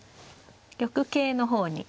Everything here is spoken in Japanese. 玉形の方に。